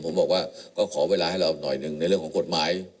ผมบอกว่าก็ขอเวลาให้เราหน่อยหนึ่งในเรื่องของกฎหมาย